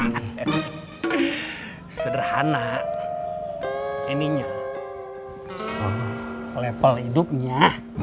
hehehe sederhana ini nya level hidupnya